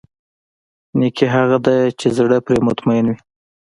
نېکي هغه ده چې زړه پرې مطمئن وي.